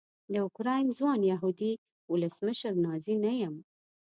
د اوکراین ځوان یهودي ولسمشر نازي نه یم.